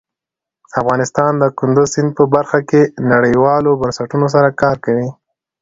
افغانستان د کندز سیند په برخه کې نړیوالو بنسټونو سره کار کوي.